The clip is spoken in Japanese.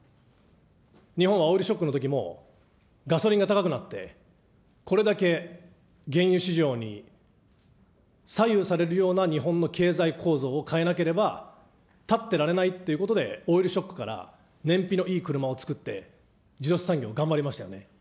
日本はオイルショックのときも、ガソリンが高くなって、これだけ原油市場に左右されるような日本の経済構造を変えなければ立ってられないということで、オイルショックから燃費のいい車をつくって、自動車産業を頑張りましたよね。